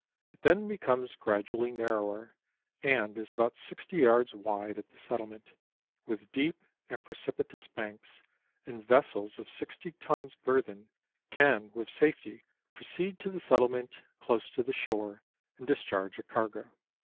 It then becomes gradually narrower, and is about 60 yards wide at the settlement, with deep and precipitous banks, and vessels of 60 tons burthen can with safety proceed to the settlement, close to the shore, and discharge a cargo.